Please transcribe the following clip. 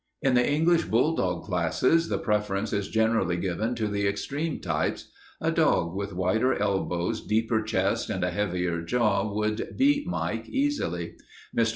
In the English bulldog classes, the preference is generally given to the extreme types. A dog with wider elbows, deeper chest, and a heavier jaw would beat Mike easily. Mr.